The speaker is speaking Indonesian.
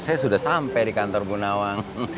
saya sudah sampai di kantor bu nawang